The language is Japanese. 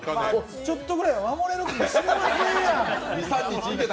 ちょっとぐらい守れるかもしれません。